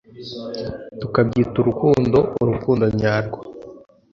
tukabyita urukundo - urukundo nyarwo. ”